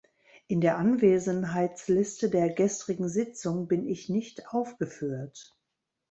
In der Anwesenheitsliste der gestrigen Sitzung bin ich nicht aufgeführt.